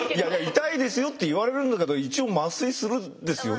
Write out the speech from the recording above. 「痛いですよ」って言われるんだけど一応麻酔するんですよね。